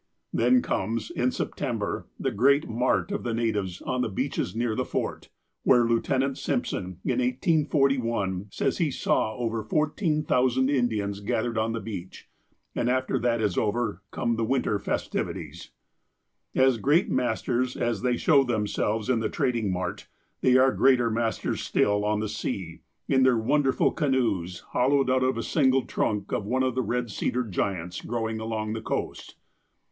Then comes, in September, the great mart of the natives on the beaches near the fort, where Lieutenant Simpson, in 1841, says he saw over 14,000 Indians gathered on the beach. And after that is over, come the winter festivities. As great masters as they show themselves in the trad ing mart, they are greater masters still on the sea, in their wonderful canoes, hollowed out of a single trunk of one of the red cedar giants growing along the coast.